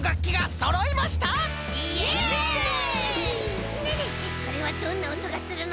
それはどんなおとがするの？